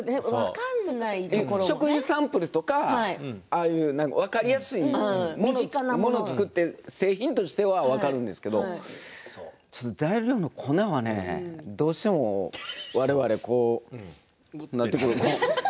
食品サンプルとか分かりやすい身近なものを作っている製品としては分かるんですけれど材料の粉はねどうしても、われわれこうなってくる。